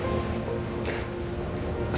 terima kasih banyak loh mas